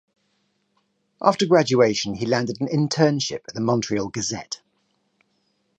After graduation, he landed an internship at the Montreal "Gazette".